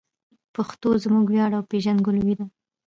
پښتو زموږ ویاړ او پېژندګلوي ده.